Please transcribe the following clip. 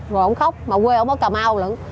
rồi ông khóc mà quê ông ở cà mau lận